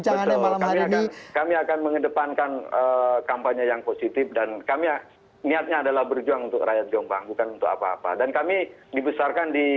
jadi biar takdir